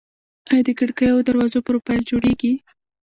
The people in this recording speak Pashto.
آیا د کړکیو او دروازو پروفیل جوړیږي؟